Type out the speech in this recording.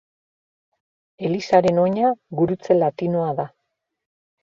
Elizaren oina gurutze latinoa da.